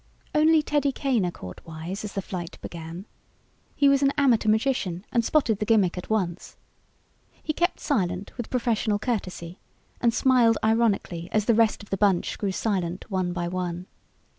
Only Teddy Kaner caught wise as the flight began. He was an amateur magician and spotted the gimmick at once. He kept silent with professional courtesy, and smiled ironically as the rest of the bunch grew silent one by one.